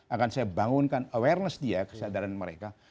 akan saya bangunkan awareness dia kesadaran mereka